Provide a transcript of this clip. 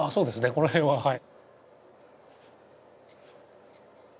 この辺ははい。